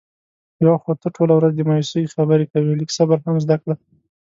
یو خو ته ټوله ورځ د مایوسی خبرې کوې. لږ صبر هم زده کړه.